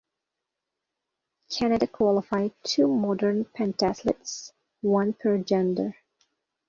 Canada qualified two modern pentathletes (one per gender).